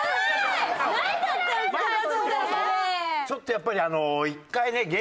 ちょっとやっぱり１回ね